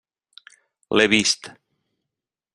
L'he vist.